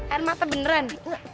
air mata beneran